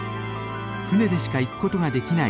船でしか行くことができない